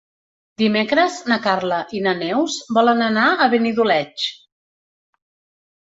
Dimecres na Carla i na Neus volen anar a Benidoleig.